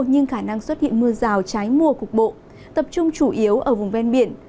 nhưng khả năng xuất hiện mưa rào trái mùa cục bộ tập trung chủ yếu ở vùng ven biển